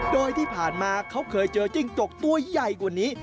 โดยที่ผ่านมาเขาเคยเจอจิ้งจกตัวใหญ่กว่านี้